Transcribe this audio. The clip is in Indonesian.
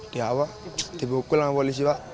di atas pak dibukul sama polisi pak